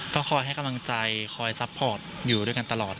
ก็คอยให้กำลังใจคอยซัพพอร์ตอยู่ด้วยกันตลอด